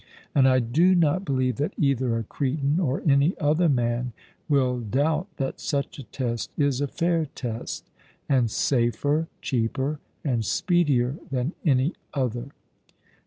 And I do not believe that either a Cretan, or any other man, will doubt that such a test is a fair test, and safer, cheaper, and speedier than any other.